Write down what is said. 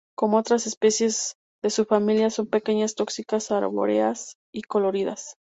Como otras especies de su familia, son pequeñas, tóxicas, arbóreas y coloridas.